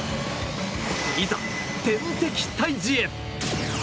いざ、天敵退治へ！